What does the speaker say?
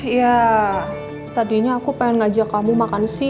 iya tadinya aku pengen ngajak kamu makan siang